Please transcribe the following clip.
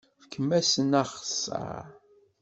Fkem-asen axeṣṣar.